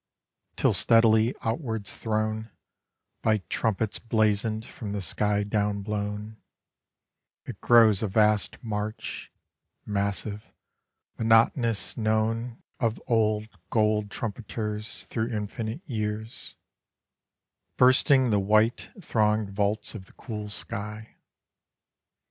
Till steadily outwards thrown, By trumpets blazoned, from the sky downblown, It grows a vast march, massive, monotonous, known Of old gold trumpeteers Through infinite years: Bursting the white, thronged vaults of the cool sky.